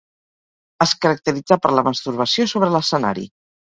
Es caracteritzà per la masturbació sobre l'escenari.